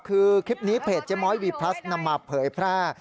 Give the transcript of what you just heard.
คือคลิปนี้เพจเจ๊ม้อยวีพลัสนำมาเผยแพร่